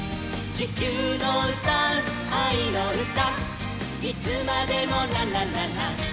「地球のうたうあいのうた」